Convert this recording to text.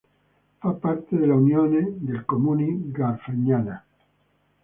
Fa parte dell'Unione dei Comuni Garfagnana